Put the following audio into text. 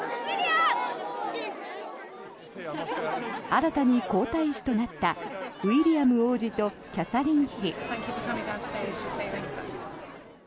新たに皇太子となったウィリアム王子とキャサリン妃。